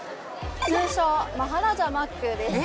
通称マハラジャマックです。